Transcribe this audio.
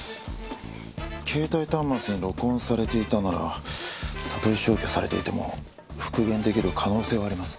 携帯端末に録音されていたならたとえ消去されていても復元できる可能性はあります。